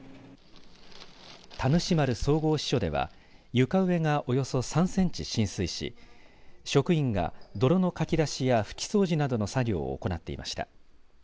田主丸総合支所では床上がおよそ３センチ浸水し職員が泥のかき出しや拭き掃除などの作業を行っていました。